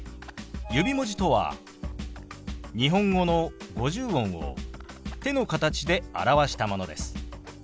指文字とは日本語の五十音を手の形で表したものです。